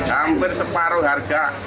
hampir separuh harga